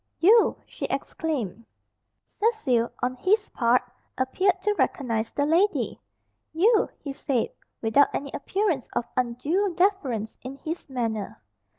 "You!" she exclaimed. Cecil, on his part, appeared to recognise the lady. "You!" he said without any appearance of undue deference in his manner.